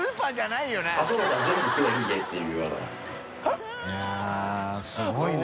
い笋すごいな。